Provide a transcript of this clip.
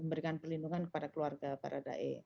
memberikan perlindungan kepada keluarga baradae